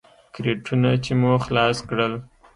کرېټونه چې مو خلاص کړل.